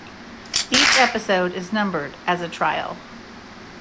Each episode is numbered as a Trial.